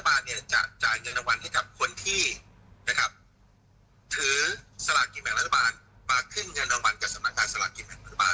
มาขึ้นเงินรางวัลกับสำนักการสลากกินแบบรัฐบาล